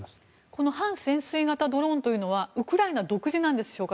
この半潜水型ドローンというのはウクライナ独自なんでしょうか？